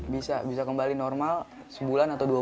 bisa bisa kembali normal sebulan atau dua bulan